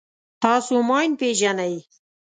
تاسو ماین پېژنئ.